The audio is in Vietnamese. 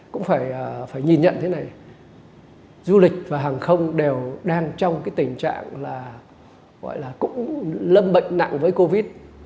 cũng phải nhìn nhận thế này du lịch và hàng không đều đang trong cái tình trạng là gọi là cũng lâm bệnh nặng với covid